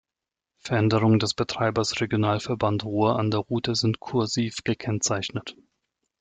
Veränderungen des Betreibers Regionalverband Ruhr an der Route sind "kursiv" gekennzeichnet.